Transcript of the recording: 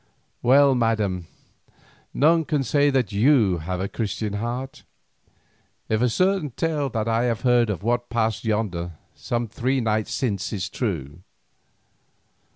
Well, Madam, none can say that you have a Christian heart. If a certain tale that I have heard of what passed yonder, some three nights since, is true.